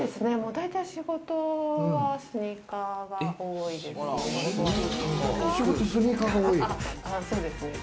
だいたい仕事はスニーカーが多いです。